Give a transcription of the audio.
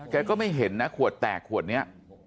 ก็ไม่เห็นนะขวดแตกขวดนี้